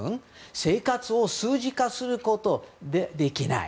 生活を数字化することはできない。